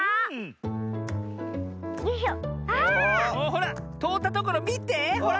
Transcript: ほらとおったところみてほら。